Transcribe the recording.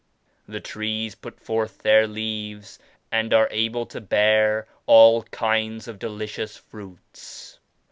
The trees put forth their leaves and are able to bear all kinds of delicious fruits.